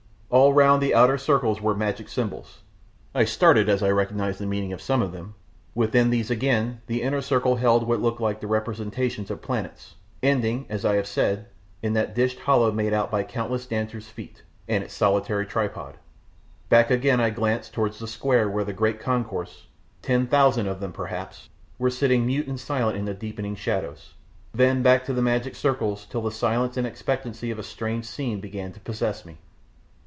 And all round the outer circle were magic symbols I started as I recognised the meaning of some of them within these again the inner circle held what looked like the representations of planets, ending, as I have said, in that dished hollow made by countless dancers' feet, and its solitary tripod. Back again, I glanced towards the square where the great concourse ten thousand of them, perhaps were sitting mute and silent in the deepening shadows, then back to the magic circles, till the silence and expectancy of a strange scene began to possess me.